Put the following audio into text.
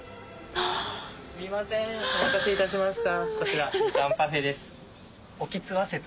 すみませんお待たせいたしました。